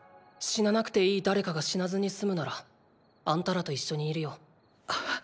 死ななくていい誰かが死なずに済むならあんたらと一緒にいるよ。